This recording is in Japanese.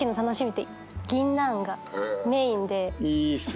いいっすね。